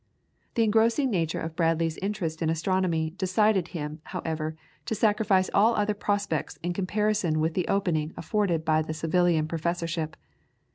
The engrossing nature of Bradley's interest in astronomy decided him, however, to sacrifice all other prospects in comparison with the opening afforded by the Savilian Professorship.